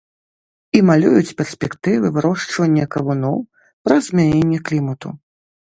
І малююць перспектывы вырошчвання кавуноў, праз змяненне клімату.